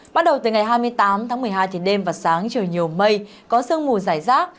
bắt đầu từ ngày hai mươi tám tháng một mươi hai thì đêm và sáng trời nhiều mây có sương mù dài rác